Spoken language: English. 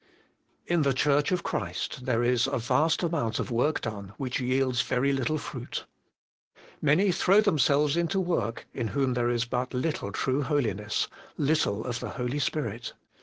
In the Church of Christ there is a vast amount of work done which yields very little fruit. Many throw themselves into work in whom there is but little true holiness, little of the Holy Spirit.